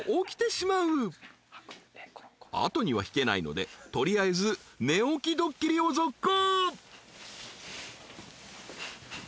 ［後には引けないので取りあえず寝起きドッキリを続行］